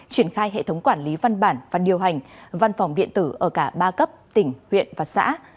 triển khai hệ thống quản lý văn bản và điều hành văn phòng điện tử ở cả ba cấp tỉnh huyện và xã